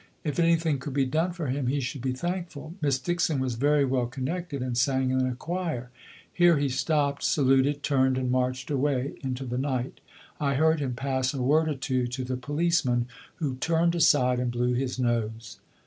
If anything could be done for him he should be thankful. Miss Dixon was very well connected, and sang in a choir. Here he stopped, saluted, turned and marched away into the night. I heard him pass a word or two to the policeman, who turned aside and blew his nose.